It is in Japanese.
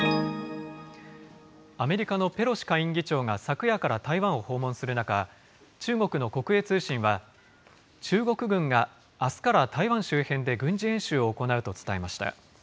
アメリカのペロシ下院議長が昨夜から台湾を訪問する中、中国の国営通信は、中国軍があすから台湾周辺で軍事演習を行うと伝えました。